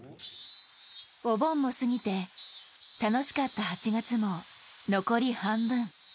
お盆も過ぎて、楽しかった８月も残り半分。